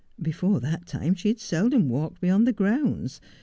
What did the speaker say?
Before that time she had seldom walked beyond the grounds.